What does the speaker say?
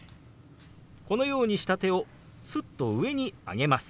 このようにした手をすっと上に上げます。